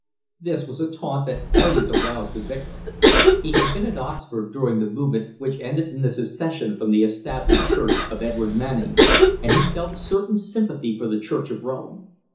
This was a taunt that always aroused the Vicar. He had been at Oxford during the movement which ended in the secession from the Established Church of Edward Manning, and he felt a certain sympathy for the Church of Rome.